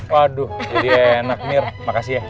waduh jadi enak mir makasih ya